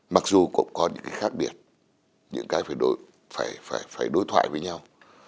mặc dù cũng có những cái khác biệt những cái phải đối thoại với nhau